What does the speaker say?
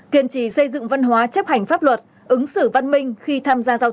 hai kiên trì xây dựng văn hóa chấp hành pháp luật